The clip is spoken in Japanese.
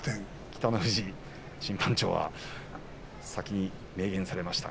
北の富士審判長は明言されました。